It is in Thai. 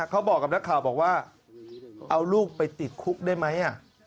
เค้าบอกกับหนักข่าวเอาลูกไปติดคุกได้ไหม